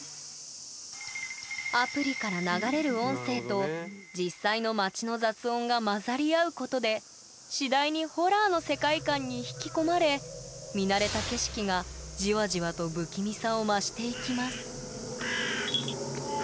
アプリから流れる音声と実際の街の雑音が混ざり合うことで次第にホラーの世界観に引き込まれ見慣れた景色がじわじわと不気味さを増していきます